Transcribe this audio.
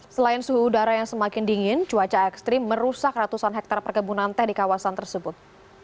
selain suhu udara yang semakin dingin cuaca ekstrim merusak ratusan hektare perkebunan teh di kawasan tersebut